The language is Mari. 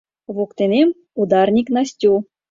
Воктенем — ударник Настю».